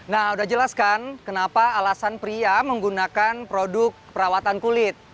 nah udah jelas kan kenapa alasan pria menggunakan produk perawatan kulit